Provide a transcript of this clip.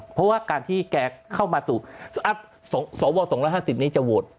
เพราะว่าการที่แกเข้ามาสู่สว๒๕๐นี้จะโหวต